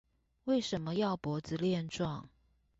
為什麼要脖子練壯